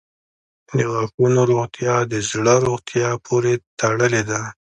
• د غاښونو روغتیا د زړه روغتیا پورې تړلې ده.